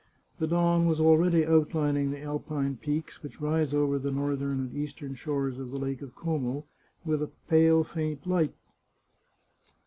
The dawn was already outlining the Alpine peaks which rise over the northern and eastern shores of the Lake of Como with a pale faint light.